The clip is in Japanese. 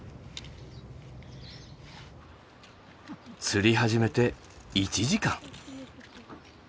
釣り始めて１時間。